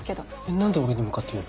何で俺に向かって言うの？